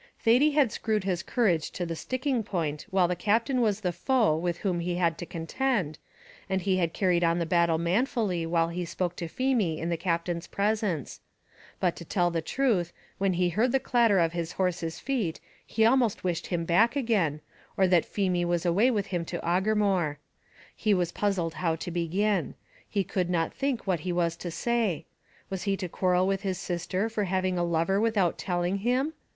Thady had screwed his courage to the sticking point while the Captain was the foe with whom he had to contend, and he had carried on the battle manfully while he spoke to Feemy in the Captain's presence; but to tell the truth, when he heard the clatter of his horse's feet he almost wished him back again, or that Feemy was away with him to Aughermore. He was puzzled how to begin; he could not think what he was to say; was he to quarrel with his sister for having a lover without telling him?